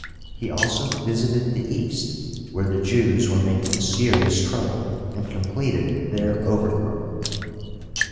He also visited the East, where the Jews were making serious trouble, and completed their overthrow.